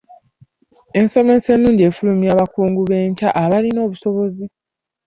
Ensomesa ennungi efulumya abakugu b'enkya abalina obusobozi.